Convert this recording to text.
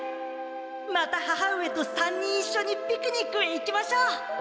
また母上と３人いっしょにピクニックへ行きましょう！